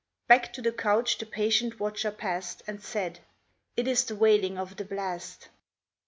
Back to the couch the patient watcher passed, And said: "It is the wailing of the blast."